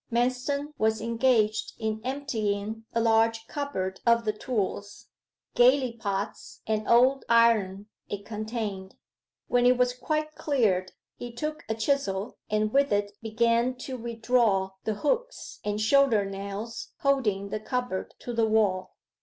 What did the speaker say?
Manston was engaged in emptying a large cupboard of the tools, gallipots, and old iron it contained. When it was quite cleared he took a chisel, and with it began to withdraw the hooks and shoulder nails holding the cupboard to the wall.